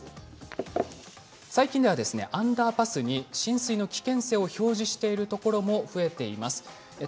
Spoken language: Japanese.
最近ではアンダーパスに浸水の危険性を表示しているところも増えています。